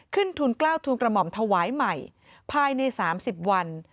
ทุนกล้าวทูลกระหม่อมถวายใหม่ภายใน๓๐วัน